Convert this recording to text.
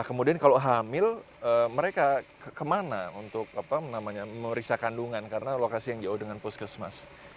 nah kemudian kalau hamil mereka kemana untuk merisakandungan karena lokasi yang jauh dengan puskesmas